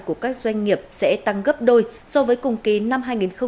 của các doanh nghiệp sẽ tăng gấp đôi so với cùng ký năm hai nghìn hai mươi hai